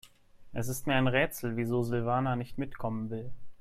Es ist mir ein Rätsel, wieso Silvana nicht mitkommen will.